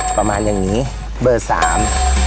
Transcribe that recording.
ประมาณอย่างงี้เบอร์สาม